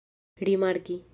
rimarki